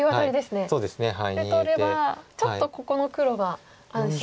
で取ればちょっとここの黒は安心になりますね。